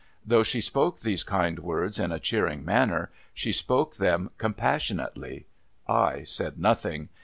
Though she spoke these kind words in a cheering manner, she spoke them compassionately. I said nothing.